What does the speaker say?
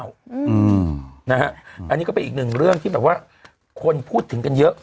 อันนี้ก็เป็นอีกหนึ่งเรื่องที่แบบว่าคนพูดถึงกันเยอะ